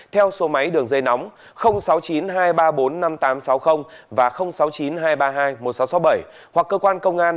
theo số máy đường dây nóng sáu mươi chín hai trăm ba mươi bốn năm nghìn tám trăm sáu mươi và sáu mươi chín hai trăm ba mươi hai một nghìn sáu trăm sáu mươi bảy hoặc cơ quan công an